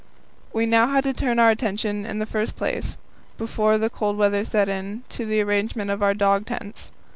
We now had to turn our attention in the first place, before the cold weather set in, to the arrangement of our dog tents.